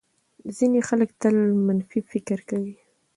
ځینې خلک تل منفي فکر کوي.